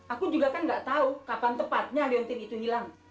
aku juga kan gak tahu kapan tepatnya liang tin itu hilang